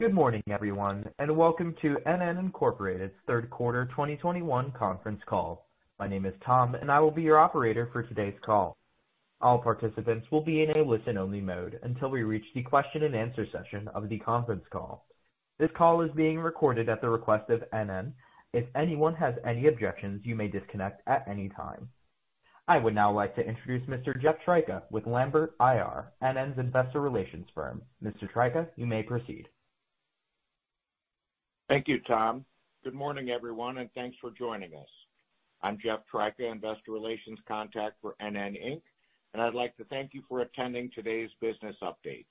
Good morning, everyone, and welcome to NN, Inc. third quarter 2021 conference call. My name is Tom and I will be your operator for today's call. All participants will be in a listen-only mode until we reach the question and answer session of the conference call. This call is being recorded at the request of NN. If anyone has any objections, you may disconnect at any time. I would now like to introduce Mr. Jeff Tryka with Lambert IR, NN's investor relations firm. Mr. Tryka, you may proceed. Thank you, Tom. Good morning, everyone, and thanks for joining us. I'm Jeff Tryka, investor relations contact for NN, Inc., and I'd like to thank you for attending today's business update.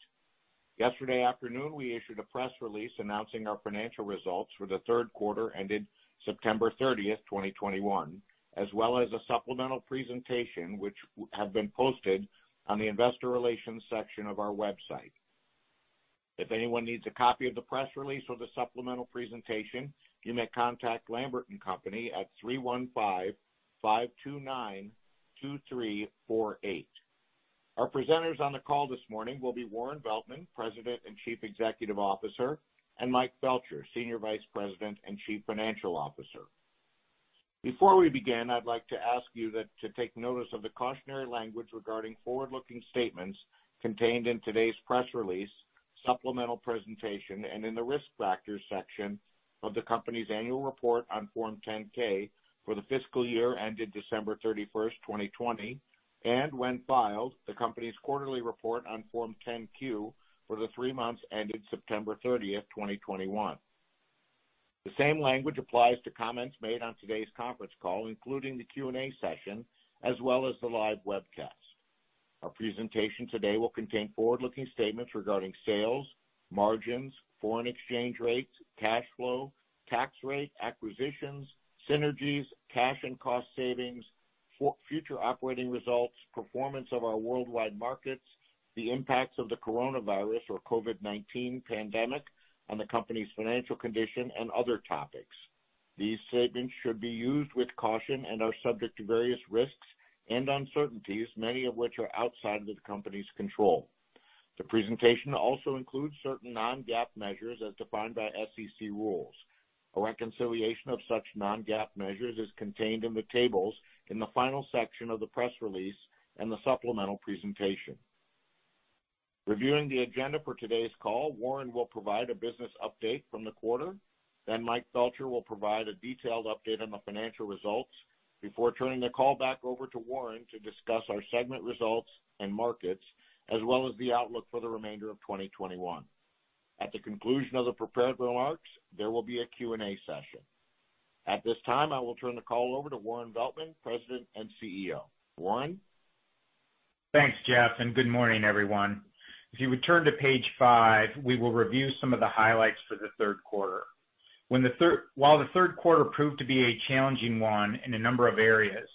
Yesterday afternoon, we issued a press release announcing our financial results for the third quarter ended September 30, 2021, as well as a supplemental presentation, which has been posted on the investor relations section of our website. If anyone needs a copy of the press release or the supplemental presentation, you may contact Lambert & Co. at 315-529-2348. Our presenters on the call this morning will be Warren Veltman, President and Chief Executive Officer, and Mike Felcher, Senior Vice President and Chief Financial Officer. Before we begin, I'd like to ask you to take notice of the cautionary language regarding forward-looking statements contained in today's press release, supplemental presentation, and in the Risk Factors section of the company's annual report on Form 10-K for the fiscal year ended December 31st, 2020, and when filed, the company's quarterly report on Form 10-Q for the three months ended September 30th, 2021. The same language applies to comments made on today's conference call, including the Q&A session, as well as the live webcast. Our presentation today will contain forward-looking statements regarding sales, margins, foreign exchange rates, cash flow, tax rate, acquisitions, synergies, cash and cost savings, future operating results, performance of our worldwide markets, the impacts of the coronavirus or COVID-19 pandemic on the company's financial condition and other topics. These statements should be used with caution and are subject to various risks and uncertainties, many of which are outside of the company's control. The presentation also includes certain non-GAAP measures as defined by SEC rules. A reconciliation of such non-GAAP measures is contained in the tables in the final section of the press release and the supplemental presentation. Reviewing the agenda for today's call, Warren will provide a business update from the quarter. Then Mike Felcher will provide a detailed update on the financial results before turning the call back over to Warren to discuss our segment results and markets, as well as the outlook for the remainder of 2021. At the conclusion of the prepared remarks, there will be a Q&A session. At this time, I will turn the call over to Warren Veltman, President and CEO. Warren? Thanks, Jeff, and good morning, everyone. If you would turn to page 5, we will review some of the highlights for the third quarter. While the third quarter proved to be a challenging one in a number of areas,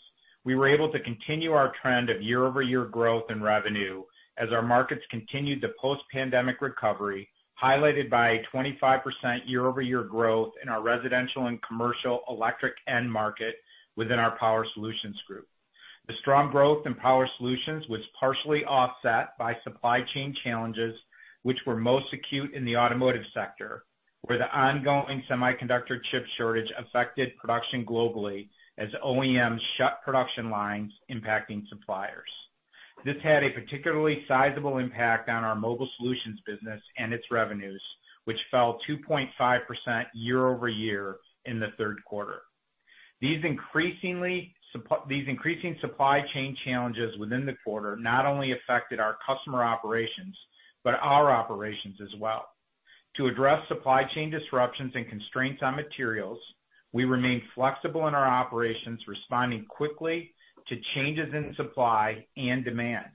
we were able to continue our trend of year-over-year growth in revenue as our markets continued the post-pandemic recovery, highlighted by 25% year-over-year growth in our residential and commercial electric end market within our Power Solutions group. The strong growth in Power Solutions was partially offset by supply chain challenges, which were most acute in the automotive sector, where the ongoing semiconductor chip shortage affected production globally as OEMs shut production lines, impacting suppliers. This had a particularly sizable impact on our Mobile Solutions business and its revenues, which fell 2.5% year-over-year in the third quarter. These increasing supply chain challenges within the quarter not only affected our customer operations, but our operations as well. To address supply chain disruptions and constraints on materials, we remain flexible in our operations, responding quickly to changes in supply and demand.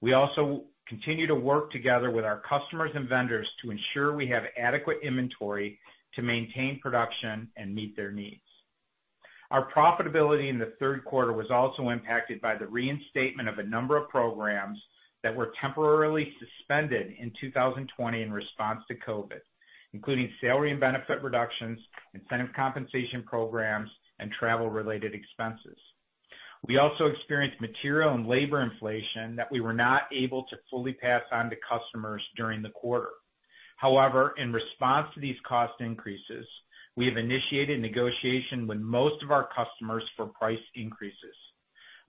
We also continue to work together with our customers and vendors to ensure we have adequate inventory to maintain production and meet their needs. Our profitability in the third quarter was also impacted by the reinstatement of a number of programs that were temporarily suspended in 2020 in response to COVID, including salary and benefit reductions, incentive compensation programs, and travel-related expenses. We also experienced material and labor inflation that we were not able to fully pass on to customers during the quarter. However, in response to these cost increases, we have initiated negotiation with most of our customers for price increases.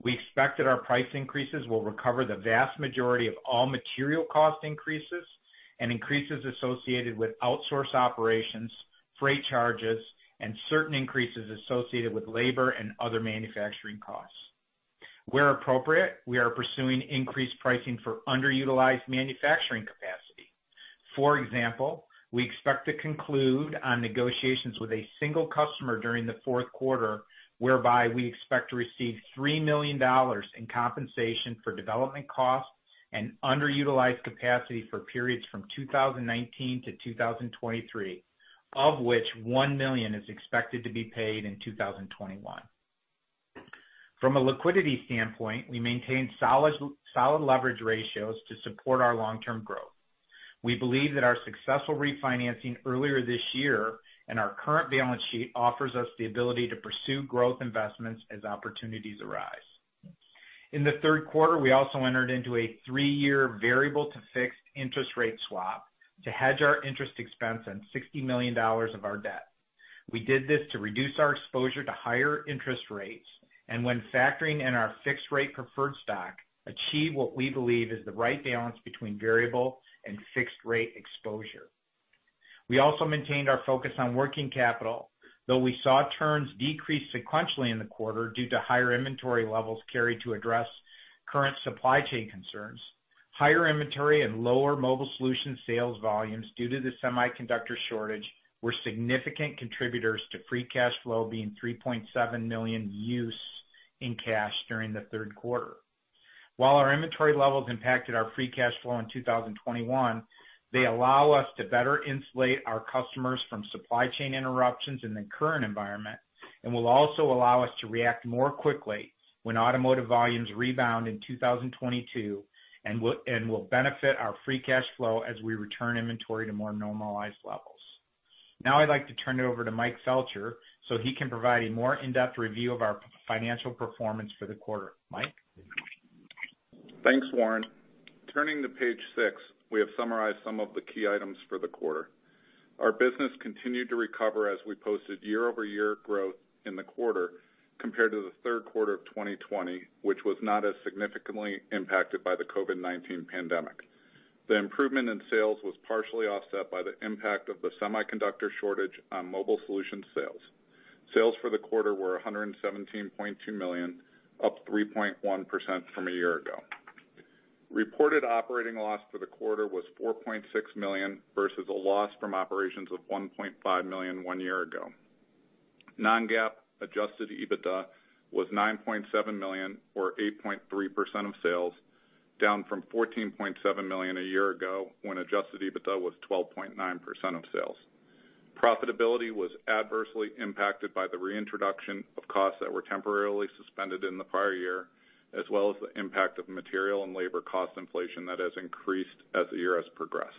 We expect that our price increases will recover the vast majority of all material cost increases and increases associated with outsource operations, freight charges, and certain increases associated with labor and other manufacturing costs. Where appropriate, we are pursuing increased pricing for underutilized manufacturing capacity. For example, we expect to conclude on negotiations with a single customer during the fourth quarter, whereby we expect to receive $3 million in compensation for development costs and underutilized capacity for periods from 2019 to 2023, of which $1 million is expected to be paid in 2021. From a liquidity standpoint, we maintain solid leverage ratios to support our long-term growth. We believe that our successful refinancing earlier this year and our current balance sheet offers us the ability to pursue growth investments as opportunities arise. In the third quarter, we also entered into a three-year variable to fixed interest rate swap to hedge our interest expense on $60 million of our debt. We did this to reduce our exposure to higher interest rates, and when factoring in our fixed rate preferred stock, achieve what we believe is the right balance between variable and fixed rate exposure. We also maintained our focus on working capital, though we saw turns decrease sequentially in the quarter due to higher inventory levels carried to address current supply chain concerns. Higher inventory and lower Mobile Solutions sales volumes due to the semiconductor shortage were significant contributors to free cash flow being $3.7 million use of cash during the third quarter. While our inventory levels impacted our free cash flow in 2021, they allow us to better insulate our customers from supply chain interruptions in the current environment and will also allow us to react more quickly when automotive volumes rebound in 2022 and will benefit our free cash flow as we return inventory to more normalized levels. Now I'd like to turn it over to Mike Felcher, so he can provide a more in-depth review of our financial performance for the quarter. Mike? Thanks, Warren. Turning to page 6, we have summarized some of the key items for the quarter. Our business continued to recover as we posted year-over-year growth in the quarter compared to the third quarter of 2020, which was not as significantly impacted by the COVID-19 pandemic. The improvement in sales was partially offset by the impact of the semiconductor shortage on Mobile Solutions sales. Sales for the quarter were $117.2 million, up 3.1% from a year ago. Reported operating loss for the quarter was $4.6 million versus a loss from operations of $1.5 million one year ago. Non-GAAP adjusted EBITDA was $9.7 million or 8.3% of sales, down from $14.7 million a year ago when adjusted EBITDA was 12.9% of sales. Profitability was adversely impacted by the reintroduction of costs that were temporarily suspended in the prior year, as well as the impact of material and labor cost inflation that has increased as the year has progressed.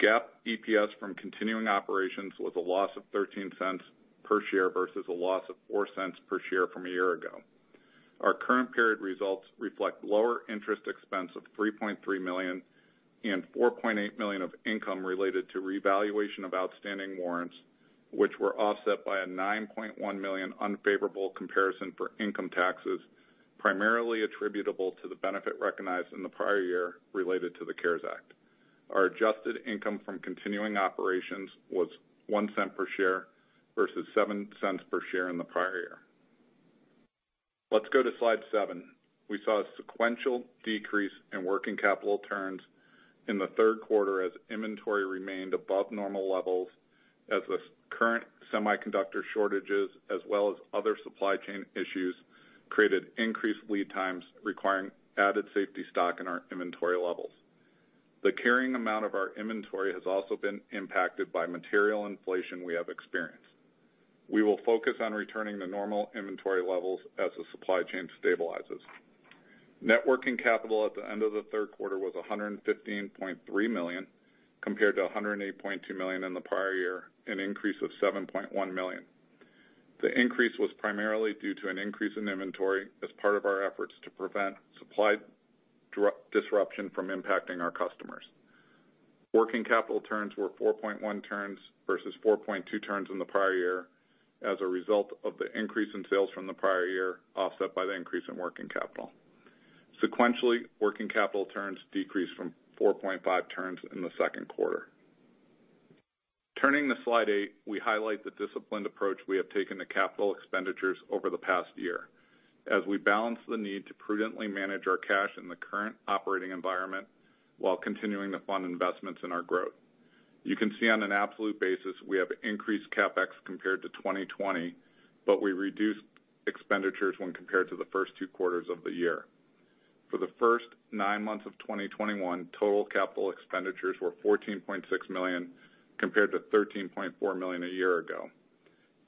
GAAP EPS from continuing operations was a loss of $0.13 per share versus a loss of $0.04 per share from a year ago. Our current period results reflect lower interest expense of $3.3 million and $4.8 million of income related to revaluation of outstanding warrants, which were offset by a $9.1 million unfavorable comparison for income taxes, primarily attributable to the benefit recognized in the prior year related to the CARES Act. Our adjusted income from continuing operations was $0.01 per share versus $0.07 per share in the prior year. Let's go to slide 7. We saw a sequential decrease in working capital turns in the third quarter as inventory remained above normal levels as the current semiconductor shortages, as well as other supply chain issues, created increased lead times requiring added safety stock in our inventory levels. The carrying amount of our inventory has also been impacted by material inflation we have experienced. We will focus on returning to normal inventory levels as the supply chain stabilizes. Net working capital at the end of the third quarter was $115.3 million, compared to $108.2 million in the prior year, an increase of $7.1 million. The increase was primarily due to an increase in inventory as part of our efforts to prevent supply disruption from impacting our customers. Working capital turns were 4.1 turns versus 4.2 turns in the prior year as a result of the increase in sales from the prior year, offset by the increase in working capital. Sequentially, working capital turns decreased from 4.5 turns in the second quarter. Turning to slide 8, we highlight the disciplined approach we have taken to capital expenditures over the past year as we balance the need to prudently manage our cash in the current operating environment while continuing to fund investments in our growth. You can see on an absolute basis, we have increased CapEx compared to 2020, but we reduced expenditures when compared to the first two quarters of the year. For the first nine months of 2021, total capital expenditures were $14.6 million, compared to $13.4 million a year ago.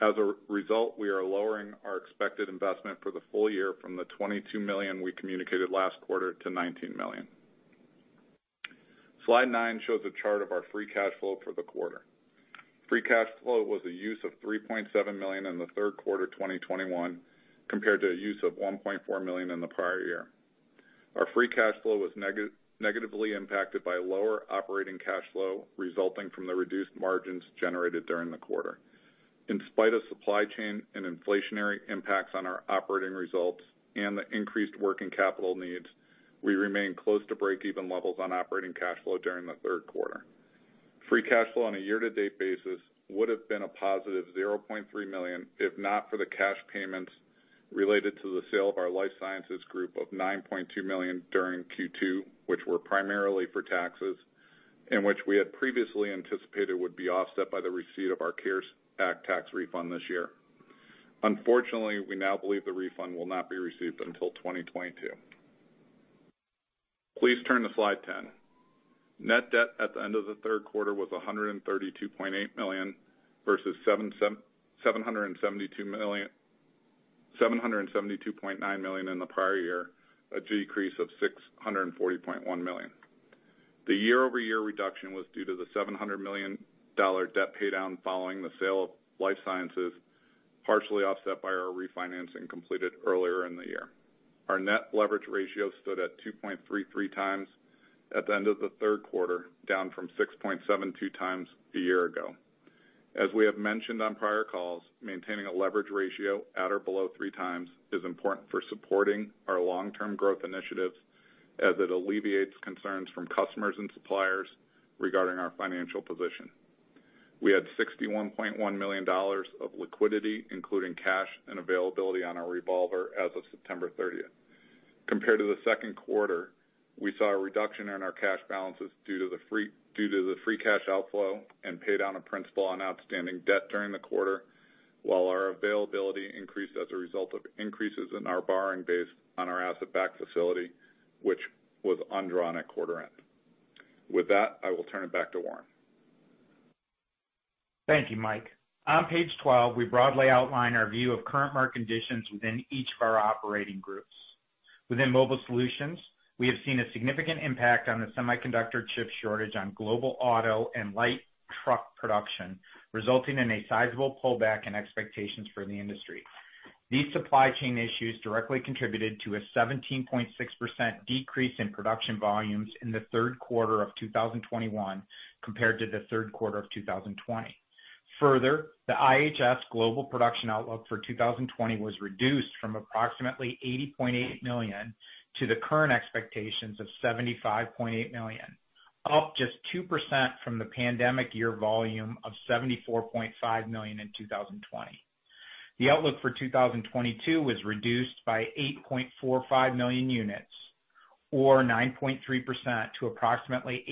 As a result, we are lowering our expected investment for the full year from the $22 million we communicated last quarter to $19 million. Slide 9 shows a chart of our free cash flow for the quarter. Free cash flow was a use of $3.7 million in the third quarter of 2021, compared to a use of $1.4 million in the prior year. Our free cash flow was negatively impacted by lower operating cash flow resulting from the reduced margins generated during the quarter. In spite of supply chain and inflationary impacts on our operating results and the increased working capital needs, we remain close to break-even levels on operating cash flow during the third quarter. Free cash flow on a year-to-date basis would have been a positive $0.3 million if not for the cash payments related to the sale of our Life Sciences group of $9.2 million during Q2, which were primarily for taxes, and which we had previously anticipated would be offset by the receipt of our CARES Act tax refund this year. Unfortunately, we now believe the refund will not be received until 2022. Please turn to slide 10. Net debt at the end of the third quarter was $132.8 million versus $772.9 million in the prior year, a decrease of $640.1 million. The year-over-year reduction was due to the $700 million debt pay down following the sale of Life Sciences, partially offset by our refinancing completed earlier in the year. Our net leverage ratio stood at 2.33 times at the end of the third quarter, down from 6.72x a year ago. As we have mentioned on prior calls, maintaining a leverage ratio at or below 3x is important for supporting our long-term growth initiatives as it alleviates concerns from customers and suppliers regarding our financial position. We had $61.1 million of liquidity, including cash and availability on our revolver as of September 30. Compared to the second quarter, we saw a reduction in our cash balances due to the free cash outflow and pay down of principal on outstanding debt during the quarter, while our availability increased as a result of increases in our borrowing base on our asset-backed facility, which was undrawn at quarter end. With that, I will turn it back to Warren. Thank you, Mike. On page 12, we broadly outline our view of current market conditions within each of our operating groups. Within Mobile Solutions, we have seen a significant impact on the semiconductor chip shortage on global auto and light truck production, resulting in a sizable pullback in expectations for the industry. These supply chain issues directly contributed to a 17.6% decrease in production volumes in the third quarter of 2021 compared to the third quarter of 2020. Further, the IHS global production outlook for 2020 was reduced from approximately 80.8 million to the current expectations of 75.8 million, up just 2% from the pandemic year volume of 74.5 million in 2020. The outlook for 2022 was reduced by 8.45 million units, or 9.3%, to approximately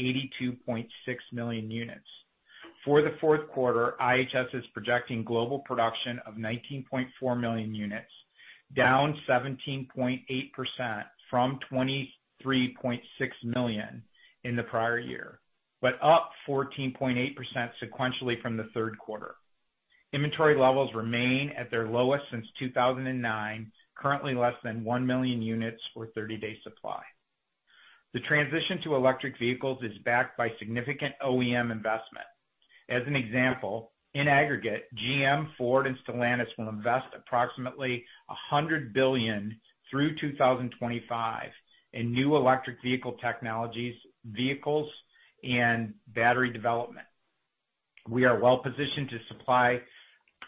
82.6 million units. For the fourth quarter, IHS is projecting global production of 19.4 million units, down 17.8% from 23.6 million in the prior year, but up 14.8% sequentially from the third quarter. Inventory levels remain at their lowest since 2009, currently less than 1 million units for 30-day supply. The transition to electric vehicles is backed by significant OEM investment. As an example, in aggregate, GM, Ford, and Stellantis will invest approximately $100 billion through 2025 in new electric vehicle technologies, vehicles, and battery development. We are well-positioned to supply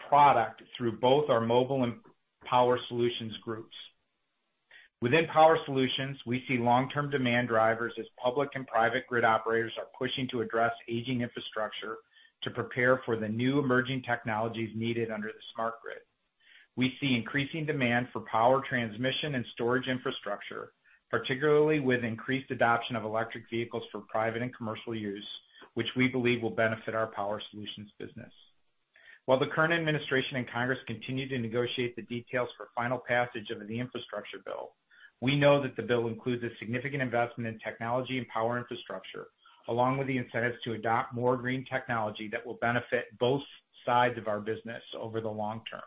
product through both our Mobile and Power Solutions groups. Within Power Solutions, we see long-term demand drivers as public and private grid operators are pushing to address aging infrastructure to prepare for the new emerging technologies needed under the smart grid. We see increasing demand for power transmission and storage infrastructure, particularly with increased adoption of electric vehicles for private and commercial use, which we believe will benefit our Power Solutions business. While the current administration and Congress continue to negotiate the details for final passage of the infrastructure bill, we know that the bill includes a significant investment in technology and power infrastructure, along with the incentives to adopt more green technology that will benefit both sides of our business over the long term.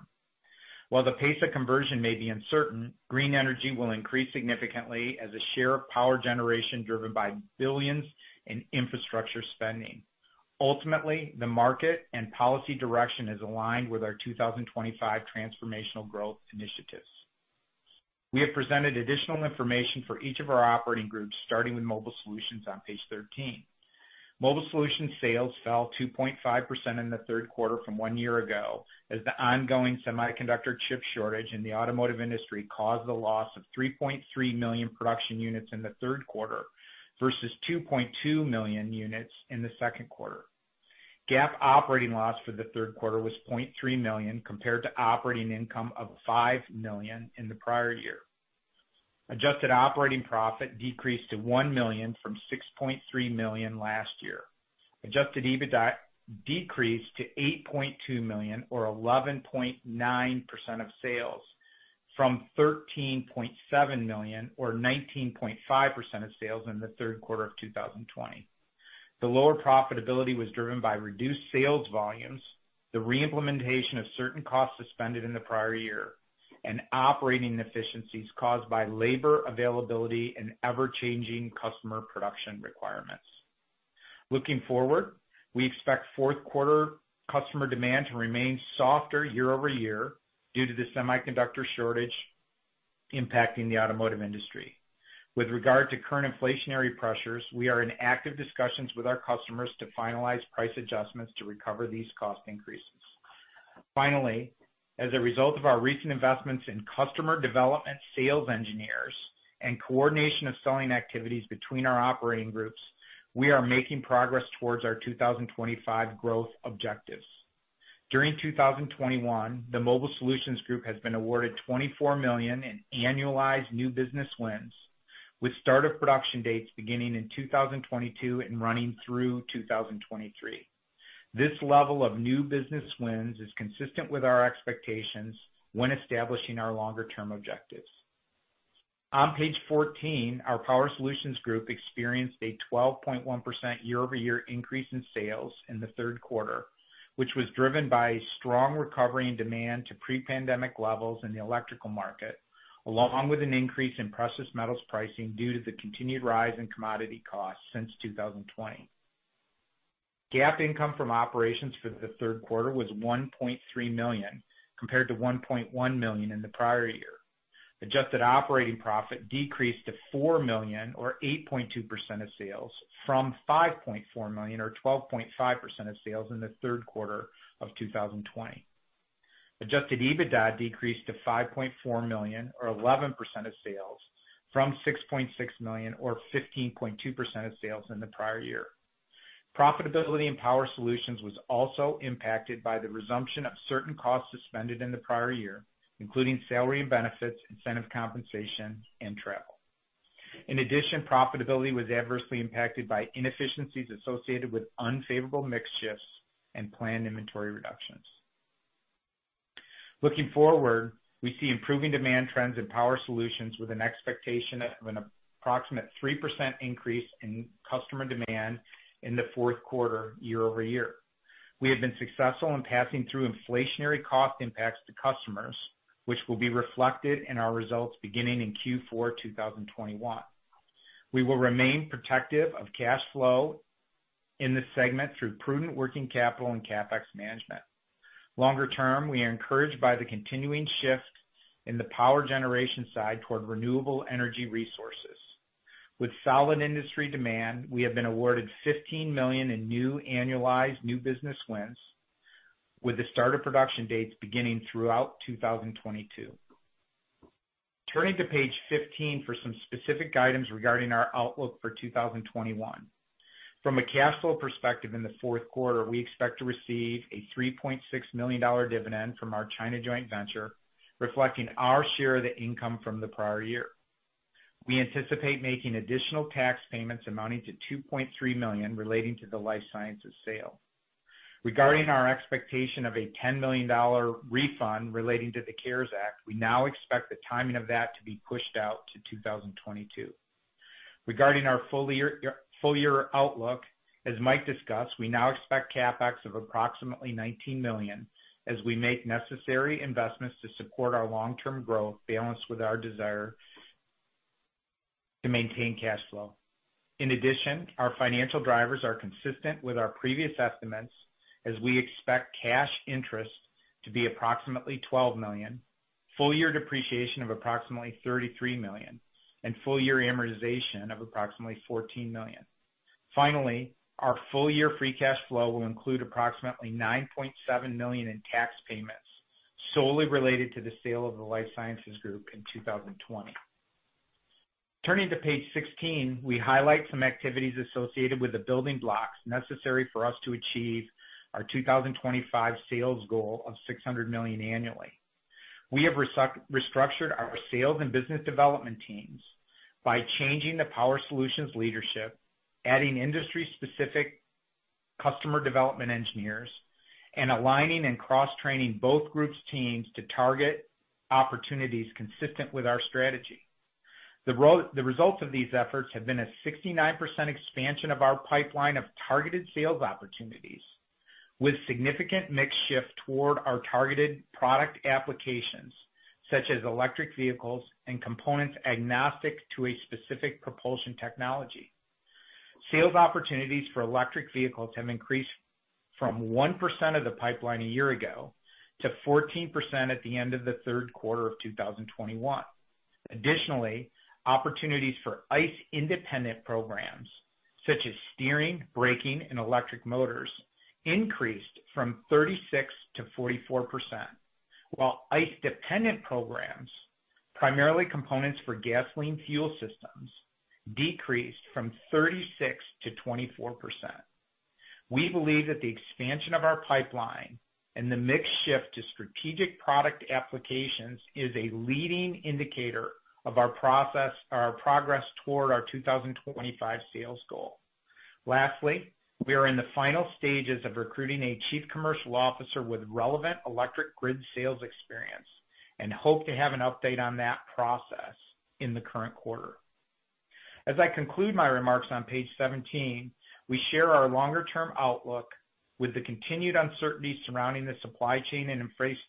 While the pace of conversion may be uncertain, green energy will increase significantly as a share of power generation driven by billions in infrastructure spending. Ultimately, the market and policy direction is aligned with our 2025 transformational growth initiatives. We have presented additional information for each of our operating groups, starting with Mobile Solutions on page 13. Mobile Solutions sales fell 2.5% in the third quarter from one year ago as the ongoing semiconductor chip shortage in the automotive industry caused the loss of 3.3 million production units in the third quarter versus 2.2 million units in the second quarter. GAAP operating loss for the third quarter was $0.3 million compared to operating income of $5 million in the prior year. Adjusted operating profit decreased to $1 million from $6.3 million last year. Adjusted EBITDA decreased to $8.2 million or 11.9% of sales from $13.7 million or 19.5% of sales in the third quarter of 2020. The lower profitability was driven by reduced sales volumes, the re-implementation of certain costs suspended in the prior year, and operating efficiencies caused by labor availability and ever-changing customer production requirements. Looking forward, we expect fourth quarter customer demand to remain softer year-over-year due to the semiconductor shortage impacting the automotive industry. With regard to current inflationary pressures, we are in active discussions with our customers to finalize price adjustments to recover these cost increases. Finally, as a result of our recent investments in customer development sales engineers and coordination of selling activities between our operating groups, we are making progress towards our 2025 growth objectives. During 2021, the Mobile Solutions group has been awarded $24 million in annualized new business wins with start of production dates beginning in 2022 and running through 2023. This level of new business wins is consistent with our expectations when establishing our longer-term objectives. On page 14, our Power Solutions group experienced a 12.1% year-over-year increase in sales in the third quarter, which was driven by strong recovery and demand to pre-pandemic levels in the electrical market, along with an increase in precious metals pricing due to the continued rise in commodity costs since 2020. GAAP income from operations for the third quarter was $1.3 million, compared to $1.1 million in the prior year. Adjusted operating profit decreased to $4 million or 8.2% of sales from $5.4 million or 12.5% of sales in the third quarter of 2020. Adjusted EBITDA decreased to $5.4 million or 11% of sales from $6.6 million or 15.2% of sales in the prior year. Profitability in Power Solutions was also impacted by the resumption of certain costs suspended in the prior year, including salary and benefits, incentive compensation, and travel. In addition, profitability was adversely impacted by inefficiencies associated with unfavorable mix shifts and planned inventory reductions. Looking forward, we see improving demand trends in Power Solutions with an expectation of an approximate 3% increase in customer demand in the fourth quarter year-over-year. We have been successful in passing through inflationary cost impacts to customers, which will be reflected in our results beginning in Q4 2021. We will remain protective of cash flow in this segment through prudent working capital and CapEx management. Longer term, we are encouraged by the continuing shift in the power generation side toward renewable energy resources. With solid industry demand, we have been awarded $15 million in new annualized new business wins with the start of production dates beginning throughout 2022. Turning to page 15 for some specific guidance regarding our outlook for 2021. From a cash flow perspective in the fourth quarter, we expect to receive a $3.6 million dividend from our China joint venture, reflecting our share of the income from the prior year. We anticipate making additional tax payments amounting to $2.3 million relating to the Life Sciences sale. Regarding our expectation of a $10 million refund relating to the CARES Act, we now expect the timing of that to be pushed out to 2022. Regarding our full year outlook, as Mike discussed, we now expect CapEx of approximately $19 million as we make necessary investments to support our long-term growth balanced with our desire to maintain cash flow. In addition, our financial drivers are consistent with our previous estimates as we expect cash interest to be approximately $12 million, full year depreciation of approximately $33 million, and full year amortization of approximately $14 million. Finally, our full year free cash flow will include approximately $9.7 million in tax payments solely related to the sale of the Life Sciences group in 2020. Turning to page 16, we highlight some activities associated with the building blocks necessary for us to achieve our 2025 sales goal of $600 million annually. We have restructured our sales and business development teams by changing the Power Solutions leadership, adding industry specific customer development engineers, and aligning and cross-training both groups' teams to target opportunities consistent with our strategy. The result of these efforts have been a 69% expansion of our pipeline of targeted sales opportunities with significant mix shift toward our targeted product applications, such as electric vehicles and components agnostic to a specific propulsion technology. Sales opportunities for electric vehicles have increased from 1% of the pipeline a year ago to 14% at the end of the third quarter of 2021. Additionally, opportunities for ICE independent programs, such as steering, braking, and electric motors, increased from 36% to 44%, while ICE dependent programs, primarily components for gasoline fuel systems, decreased from 36% to 24%. We believe that the expansion of our pipeline and the mix shift to strategic product applications is a leading indicator of our progress toward our 2025 sales goal. Lastly, we are in the final stages of recruiting a chief commercial officer with relevant electric grid sales experience and hope to have an update on that process in the current quarter. As I conclude my remarks on page 17, we share our longer term outlook with the continued uncertainty surrounding the supply chain and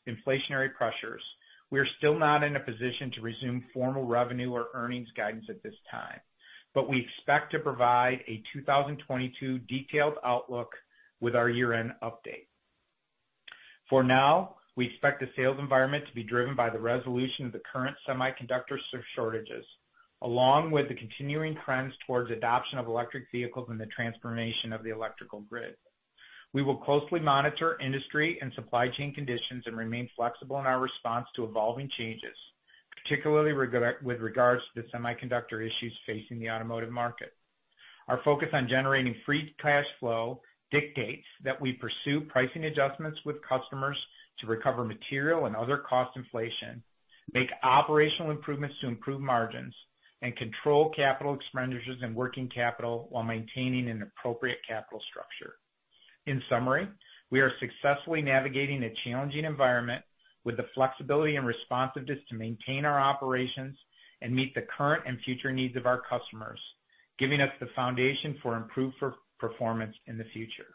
inflationary pressures. We are still not in a position to resume formal revenue or earnings guidance at this time, but we expect to provide a 2022 detailed outlook with our year-end update. For now, we expect the sales environment to be driven by the resolution of the current semiconductor shortages, along with the continuing trends towards adoption of electric vehicles and the transformation of the electrical grid. We will closely monitor industry and supply chain conditions and remain flexible in our response to evolving changes, particularly with regards to the semiconductor issues facing the automotive market. Our focus on generating free cash flow dictates that we pursue pricing adjustments with customers to recover material and other cost inflation, make operational improvements to improve margins, and control capital expenditures and working capital while maintaining an appropriate capital structure. In summary, we are successfully navigating a challenging environment with the flexibility and responsiveness to maintain our operations and meet the current and future needs of our customers, giving us the foundation for improved performance in the future.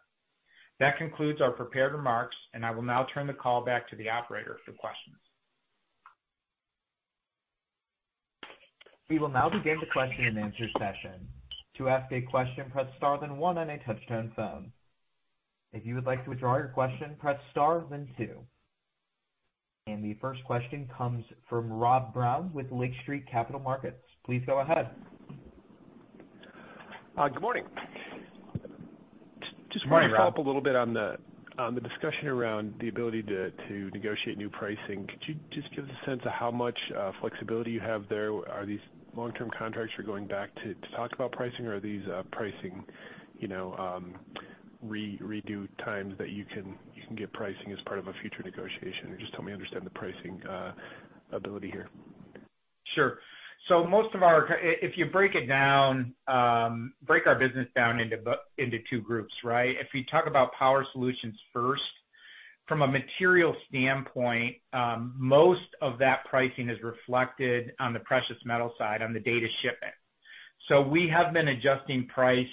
That concludes our prepared remarks, and I will now turn the call back to the operator for questions. We will now begin the question and answer session. To ask a question, press star then one on a touchtone phone. If you would like to withdraw your question, press star then two. The first question comes from Rob Brown with Lake Street Capital Markets. Please go ahead. Good morning. Morning, Rob. I want to follow up a little bit on the discussion around the ability to negotiate new pricing. Could you just give us a sense of how much flexibility you have there? Are these long-term contracts you're going back to talk about pricing or are these pricing, you know, redo times that you can get pricing as part of a future negotiation? Just help me understand the pricing ability here. Sure. Most of our—if you break our business down into two groups, right? If you talk about Power Solutions first, from a material standpoint, most of that pricing is reflected on the precious metal side on the date of shipment. We have been adjusting price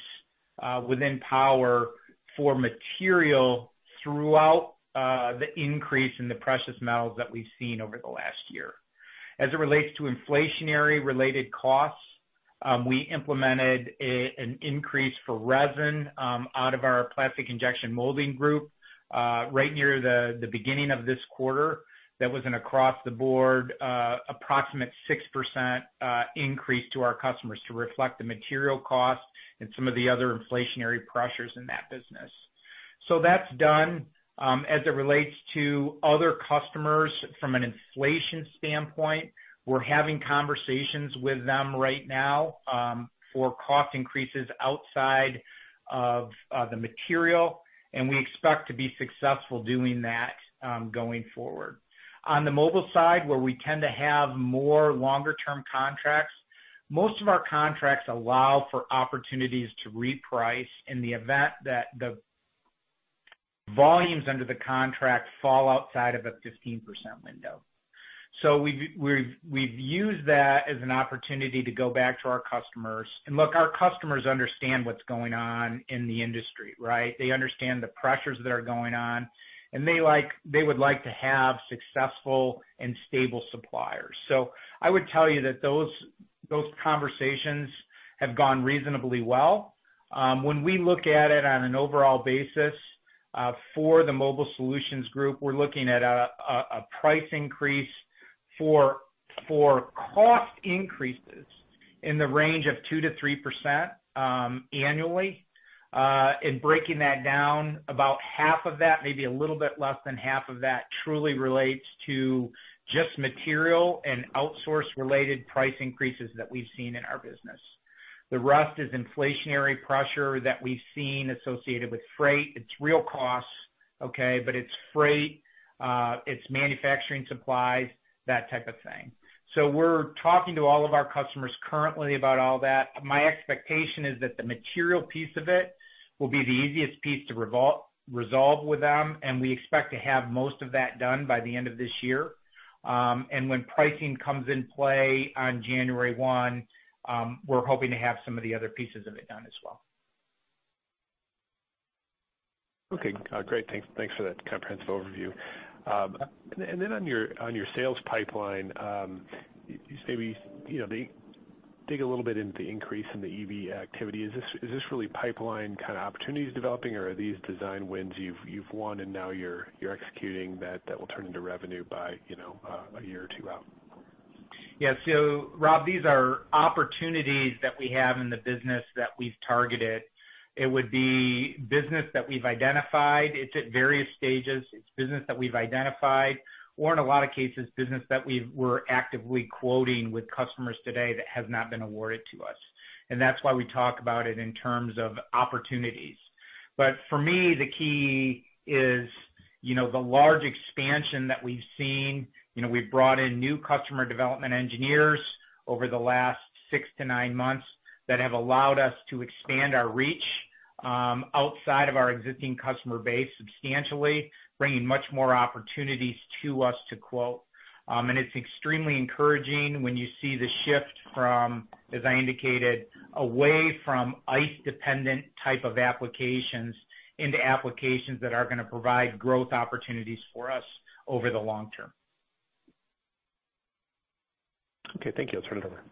within Power for material throughout the increase in the precious metals that we've seen over the last year. As it relates to inflation-related costs, we implemented an increase for resin out of our plastic injection molding group right near the beginning of this quarter. That was an across-the-board approximate 6% increase to our customers to reflect the material costs and some of the other inflationary pressures in that business. That's done. As it relates to other customers from an inflation standpoint, we're having conversations with them right now for cost increases outside of the material, and we expect to be successful doing that going forward. On the mobile side, where we tend to have more longer term contracts, most of our contracts allow for opportunities to reprice in the event that the volumes under the contract fall outside of a 15% window. We've used that as an opportunity to go back to our customers. Look, our customers understand what's going on in the industry, right? They understand the pressures that are going on, and they like, they would like to have successful and stable suppliers. I would tell you that those conversations have gone reasonably well. When we look at it on an overall basis, for the Mobile Solutions group, we're looking at a price increase for cost increases in the range of 2%-3%, annually. In breaking that down, about half of that, maybe a little bit less than half of that, truly relates to just material and outsource related price increases that we've seen in our business. The rest is inflationary pressure that we've seen associated with freight. It's real costs, okay, but it's freight, it's manufacturing supplies, that type of thing. We're talking to all of our customers currently about all that. My expectation is that the material piece of it will be the easiest piece to resolve with them, and we expect to have most of that done by the end of this year. When pricing comes into play on January one, we're hoping to have some of the other pieces of it done as well. Okay, great. Thanks for that comprehensive overview. On your sales pipeline, you say we, you know, dig a little bit into the increase in the EV activity. Is this really pipeline kind of opportunities developing or are these design wins you've won and now you're executing that will turn into revenue by, you know, a year or two out? Yeah. Rob, these are opportunities that we have in the business that we've targeted. It would be business that we've identified. It's at various stages. It's business that we've identified, or in a lot of cases, business that we're actively quoting with customers today that has not been awarded to us. And that's why we talk about it in terms of opportunities. But for me, the key is, you know, the large expansion that we've seen. You know, we've brought in new customer development engineers over the last 6-9 months that have allowed us to expand our reach outside of our existing customer base substantially, bringing much more opportunities to us to quote. It's extremely encouraging when you see the shift from, as I indicated, away from ICE dependent type of applications into applications that are gonna provide growth opportunities for us over the long term. Okay, thank you. I'll turn it over.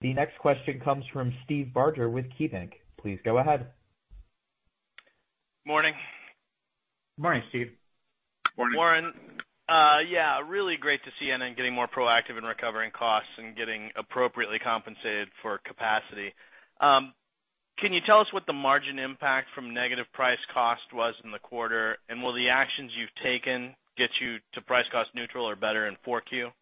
The next question comes from Steve Barger with KeyBanc. Please go ahead. Morning. Morning, Steve. Morning. Warren. Yeah, really great to see NN getting more proactive in recovering costs and getting appropriately compensated for capacity. Can you tell us what the margin impact from negative price cost was in the quarter? Will the actions you've taken get you to price cost neutral or better in 4Q?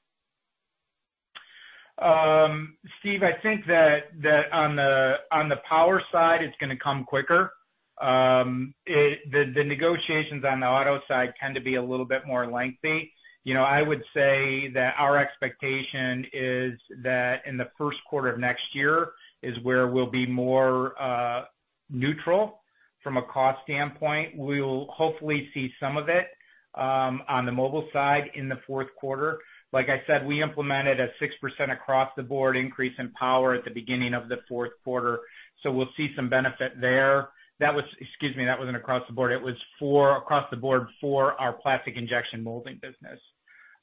Steve, I think that on the power side, it's gonna come quicker. The negotiations on the auto side tend to be a little bit more lengthy. You know, I would say that our expectation is that in the first quarter of next year is where we'll be more neutral from a cost standpoint. We'll hopefully see some of it. On the mobile side in the fourth quarter, like I said, we implemented a 6% across the board increase in power at the beginning of the fourth quarter. So we'll see some benefit there. That was. Excuse me, that wasn't across the board. It was for across the board for our plastic injection molding business.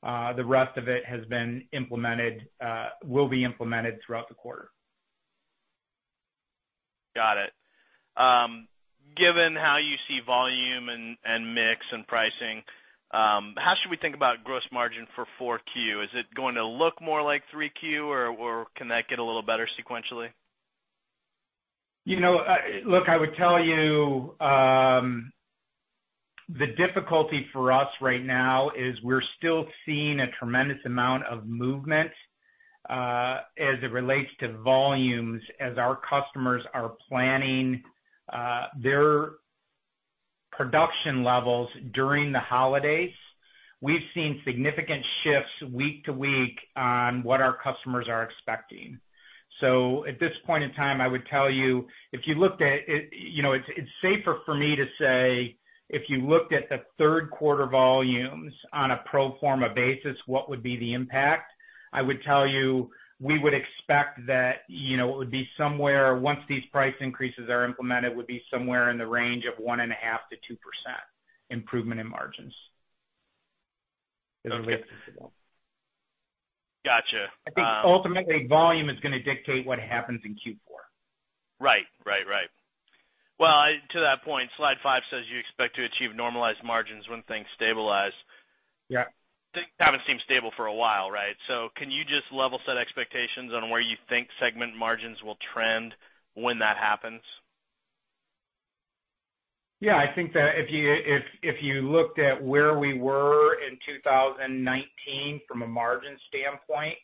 The rest of it has been implemented, will be implemented throughout the quarter. Got it. Given how you see volume and mix and pricing, how should we think about gross margin for Q4? Is it going to look more like Q3, or can that get a little better sequentially? You know, look, I would tell you, the difficulty for us right now is we're still seeing a tremendous amount of movement, as it relates to volumes as our customers are planning, their production levels during the holidays. We've seen significant shifts week to week on what our customers are expecting. At this point in time, I would tell you, if you looked at it, you know, it's safer for me to say, if you looked at the third quarter volumes on a pro forma basis, what would be the impact? I would tell you, we would expect that, you know, it would be somewhere, once these price increases are implemented, would be somewhere in the range of 1.5%-2% improvement in margins. Okay. As it relates to volume. Gotcha. I think ultimately volume is gonna dictate what happens in Q4. Right. Well, to that point, slide five says you expect to achieve normalized margins when things stabilize. Yeah. Things haven't seemed stable for a while, right? Can you just level set expectations on where you think segment margins will trend when that happens? Yeah. I think that if you looked at where we were in 2019 from a margin standpoint,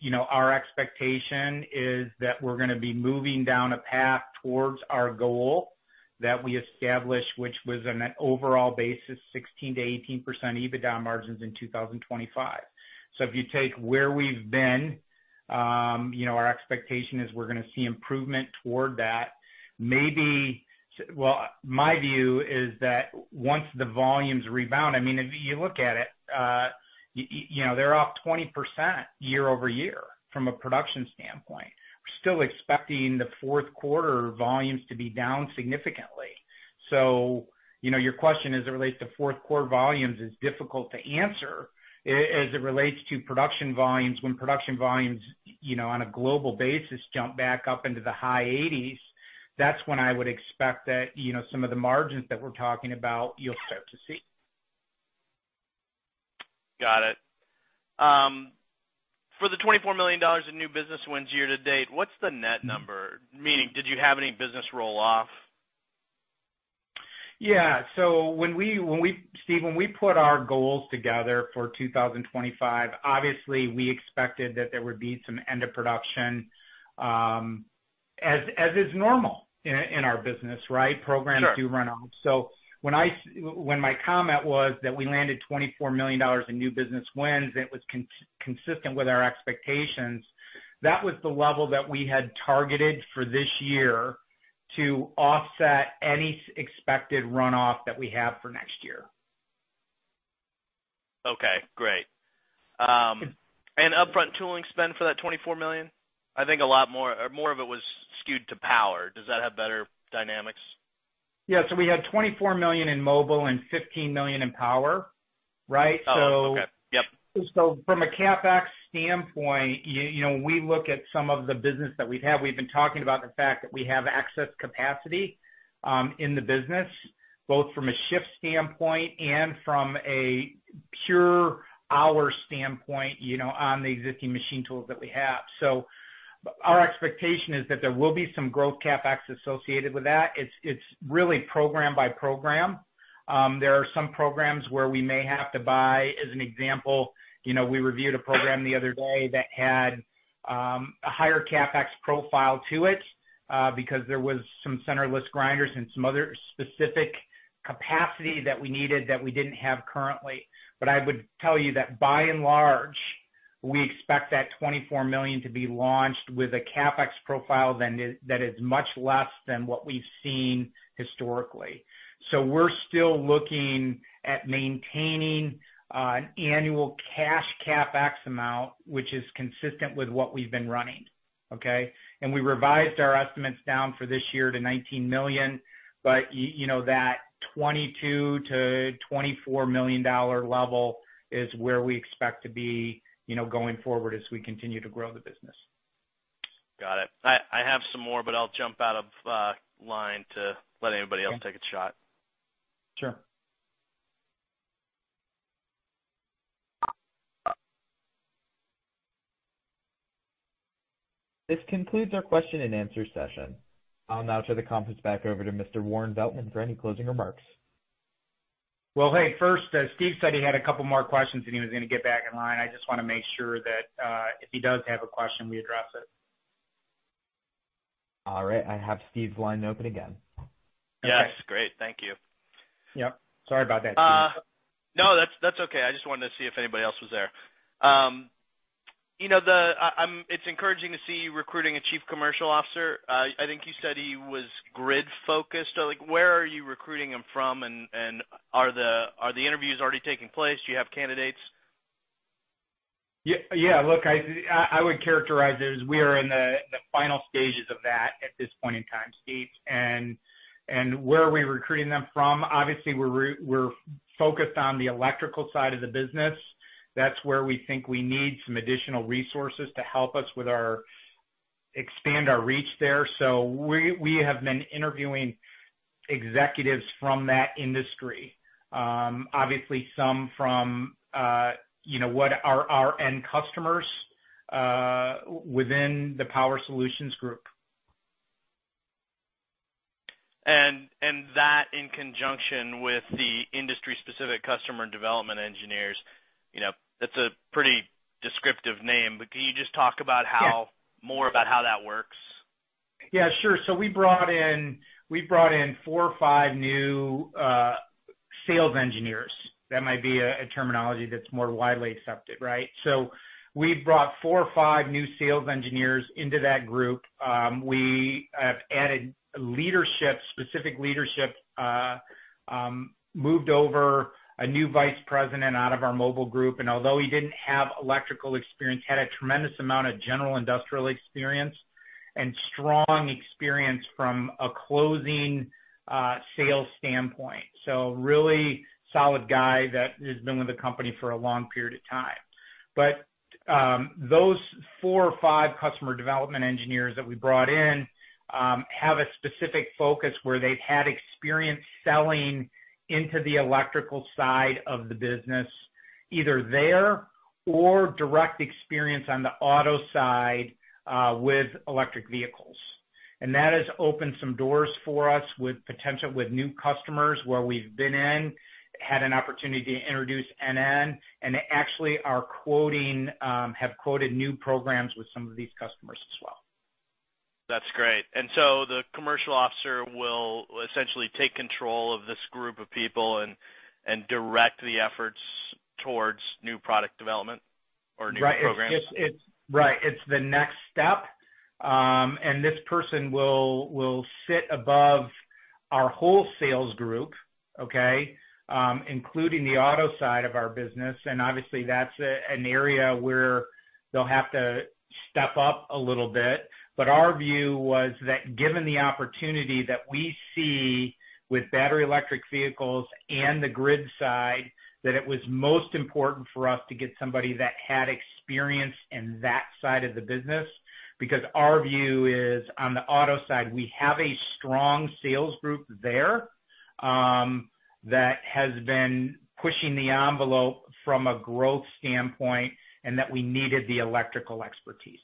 you know, our expectation is that we're gonna be moving down a path towards our goal that we established, which was on an overall basis, 16%-18% EBITDA margins in 2025. If you take where we've been, you know, our expectation is we're gonna see improvement toward that. Well, my view is that once the volumes rebound, I mean, if you look at it, you know, they're up 20% year-over-year from a production standpoint. We're still expecting the fourth quarter volumes to be down significantly. You know, your question as it relates to fourth quarter volumes is difficult to answer. As it relates to production volumes, when production volumes, you know, on a global basis, jump back up into the high 80s, that's when I would expect that, you know, some of the margins that we're talking about, you'll start to see. Got it. For the $24 million in new business wins year to date, what's the net number? Meaning, did you have any business roll-off? Yeah. When we put our goals together for 2025, obviously, we expected that there would be some end of production, as is normal in our business, right? Sure. Programs do run off. When my comment was that we landed $24 million in new business wins, and it was consistent with our expectations, that was the level that we had targeted for this year to offset any expected runoff that we have for next year. Okay, great. Upfront tooling spend for that $24 million? I think a lot more of it was skewed to power. Does that have better dynamics? Yeah. We had $24 million in Mobile and $15 million in Power, right? Oh, okay. Yep. From a CapEx standpoint, you know, we look at some of the business that we have. We've been talking about the fact that we have excess capacity in the business, both from a shift standpoint and from a pure hour standpoint, you know, on the existing machine tools that we have. Our expectation is that there will be some growth CapEx associated with that. It's really program by program. There are some programs where we may have to buy. As an example, you know, we reviewed a program the other day that had a higher CapEx profile to it, because there was some centerless grinders and some other specific capacity that we needed that we didn't have currently. I would tell you that by and large, we expect that $24 million to be launched with a CapEx profile that is much less than what we've seen historically. We're still looking at maintaining an annual cash CapEx amount, which is consistent with what we've been running. Okay. We revised our estimates down for this year to $19 million. You know, that $22 million-$24 million level is where we expect to be, you know, going forward as we continue to grow the business. Got it. I have some more, but I'll jump out of line to let anybody else take a shot. Sure. This concludes our question and answer session. I'll now turn the conference back over to Mr. Warren Veltman for any closing remarks. Well, hey, first, Steve said he had a couple more questions, and he was gonna get back in line. I just wanna make sure that, if he does have a question, we address it. All right. I have Steve's line open again. Yes. Great. Thank you. Yep. Sorry about that, Steve. No, that's okay. I just wanted to see if anybody else was there. You know, it's encouraging to see you recruiting a chief commercial officer. I think you said he was grid-focused. Like, where are you recruiting him from? And are the interviews already taking place? Do you have candidates? Yeah. Look, I would characterize it as we are in the final stages of that at this point in time, Steve. Where are we recruiting them from? Obviously, we're focused on the electrical side of the business. That's where we think we need some additional resources to help us expand our reach there. We have been interviewing executives from that industry. Obviously some from, you know, what are our end customers within the Power Solutions group. that in conjunction with the industry-specific customer development engineers, you know, that's a pretty descriptive name, but can you just talk about how- Yeah. More about how that works? Yeah, sure. We brought in four or five new sales engineers. That might be a terminology that's more widely accepted, right? We brought four or five new sales engineers into that group. We have added leadership, specific leadership, moved over a new vice president out of our mobile group, and although he didn't have electrical experience, had a tremendous amount of general industrial experience and strong experience from a closing sales standpoint. Really solid guy that has been with the company for a long period of time. Those four or five customer development engineers that we brought in have a specific focus where they've had experience selling into the electrical side of the business, either there or direct experience on the auto side with electric vehicles. That has opened some doors for us with potential new customers where we had an opportunity to introduce NN, and actually have quoted new programs with some of these customers as well. That's great. The commercial officer will essentially take control of this group of people and direct the efforts towards new product development or new programs? Right. It's the next step. This person will sit above our whole sales group, okay? Including the auto side of our business. Obviously, that's an area where they'll have to step up a little bit. Our view was that given the opportunity that we see with battery electric vehicles and the grid side, that it was most important for us to get somebody that had experience in that side of the business, because our view is on the auto side, we have a strong sales group there, that has been pushing the envelope from a growth standpoint and that we needed the electrical expertise.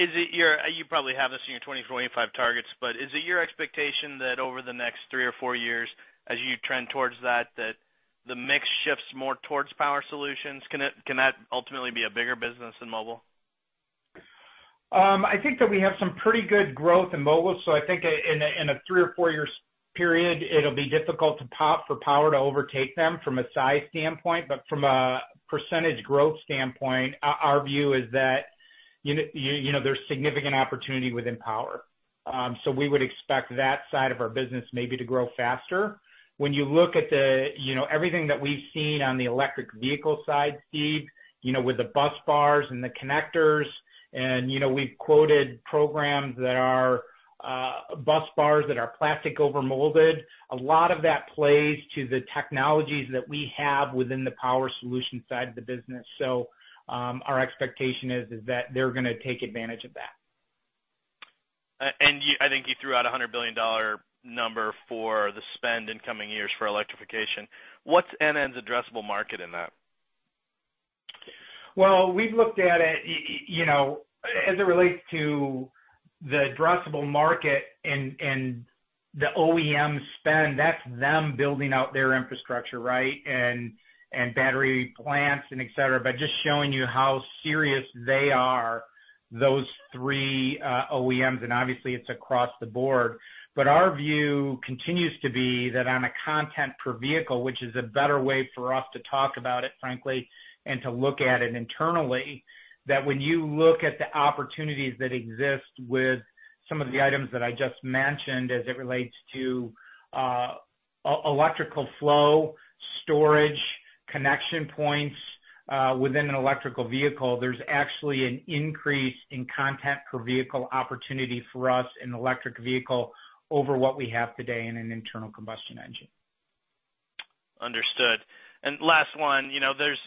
You probably have this in your 2025 targets, but is it your expectation that over the next three or four years, as you trend towards that the mix shifts more towards Power Solutions? Can that ultimately be a bigger business than Mobile Solutions? I think that we have some pretty good growth in Mobile, so I think in a three or four years period, it'll be difficult for Power to overtake them from a size standpoint. But from a percentage growth standpoint, our view is that you know, there's significant opportunity within Power. So we would expect that side of our business maybe to grow faster. When you look at everything that we've seen on the electric vehicle side, Steve, you know, with the bus bars and the connectors and you know, we've quoted programs that are bus bars that are plastic over-molded. A lot of that plays to the technologies that we have within the Power Solutions side of the business. So our expectation is that they're gonna take advantage of that. I think you threw out a $100 billion number for the spend in coming years for electrification. What's NN's addressable market in that? Well, we've looked at it, you know, as it relates to the addressable market and the OEM spend, that's them building out their infrastructure, right? And battery plants and et cetera. But just showing you how serious they are, those three OEMs, and obviously it's across the board. But our view continues to be that on a content per vehicle, which is a better way for us to talk about it, frankly, and to look at it internally, that when you look at the opportunities that exist with some of the items that I just mentioned as it relates to electrical flow, storage, connection points within an electric vehicle, there's actually an increase in content per vehicle opportunity for us in electric vehicle over what we have today in an internal combustion engine. Understood. Last one, you know, there's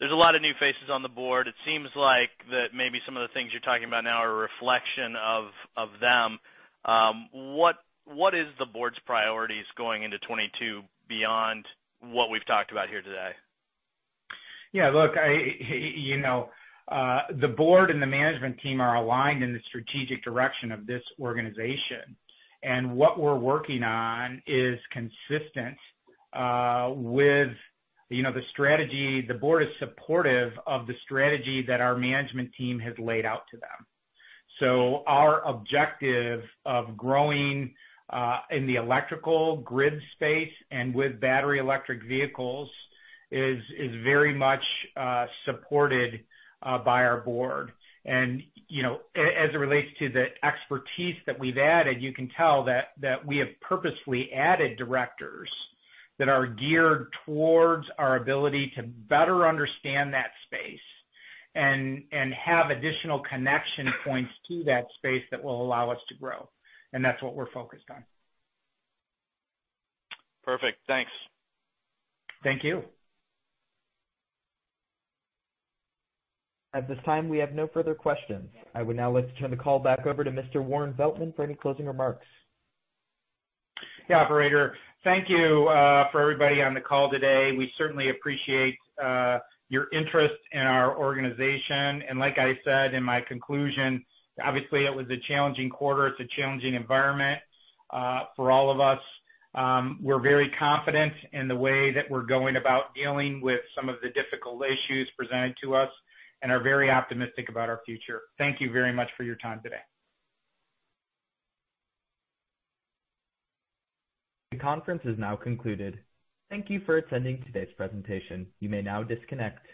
a lot of new faces on the board. It seems like that maybe some of the things you're talking about now are a reflection of them. What is the board's priorities going into 2022 beyond what we've talked about here today? You know, the board and the management team are aligned in the strategic direction of this organization. What we're working on is consistent with, you know, the strategy. The board is supportive of the strategy that our management team has laid out to them. Our objective of growing in the electrical grid space and with battery electric vehicles is very much supported by our board. You know, as it relates to the expertise that we've added, you can tell that we have purposefully added directors that are geared towards our ability to better understand that space and have additional connection points to that space that will allow us to grow. That's what we're focused on. Perfect. Thanks. Thank you. At this time, we have no further questions. I would now like to turn the call back over to Mr. Warren Veltman for any closing remarks. Yeah, operator. Thank you for everybody on the call today. We certainly appreciate your interest in our organization. Like I said in my conclusion, obviously it was a challenging quarter. It's a challenging environment for all of us. We're very confident in the way that we're going about dealing with some of the difficult issues presented to us and are very optimistic about our future. Thank you very much for your time today. The conference is now concluded. Thank you for attending today's presentation. You may now disconnect.